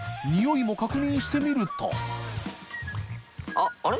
あっあれ？